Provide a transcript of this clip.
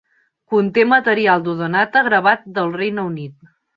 Conté material d'Odonata gravat del Regne Unit.